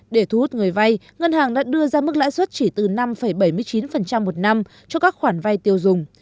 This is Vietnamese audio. để thu hút người vay ngân hàng đã đưa ra mức lãi suất chỉ từ năm bảy mươi chín một năm cho các khoản vay tiêu dùng